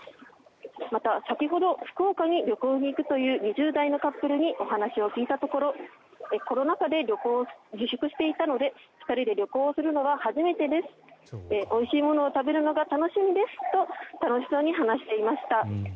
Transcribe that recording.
また、先ほど福岡に旅行に行くという２０代のカップルにお話を聞いたところコロナ禍で旅行を自粛していたので２人で旅行するのは初めてですおいしいものを食べるのが楽しみですと楽しそうに話していました。